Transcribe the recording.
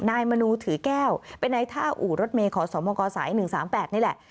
มนูถือแก้วเป็นนายท่าอู่รถเมย์ขอสมกสาย๑๓๘นี่แหละ